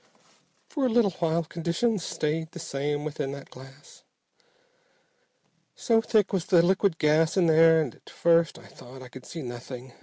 "For a little while conditions stayed the same within that glass. So thick was the liquid gas in there at first that I could see nothing.